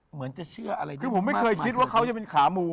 เหมือนจะเชื่ออะไรดีคือผมไม่เคยคิดว่าเขาจะเป็นขามู